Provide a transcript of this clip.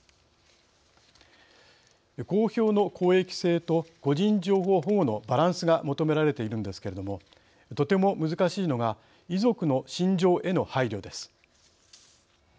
公表の公益性と個人情報保護のバランスが求められているんですけれどもとても難しいのが遺族の心情への配慮です。